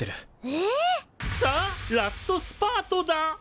ええ！？さあラストスパートだ！